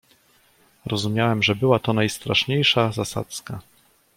"Rozumiałem, że to była najstraszniejsza zasadzka."